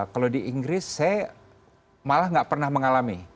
kalau di inggris saya malah nggak pernah mengalami